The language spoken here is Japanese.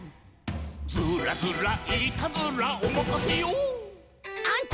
「ずーらずらいーたずら」「おまかせよ」